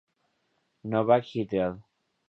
Novak "et al.